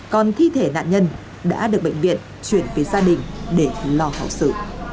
con thi thể nạn nhân đã được bệnh viện chuyển về gia đình để lo thảo sự